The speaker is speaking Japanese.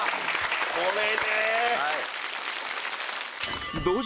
これね！